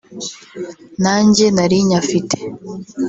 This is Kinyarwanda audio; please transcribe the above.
nanjye nari nyafite